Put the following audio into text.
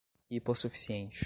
hipossuficiente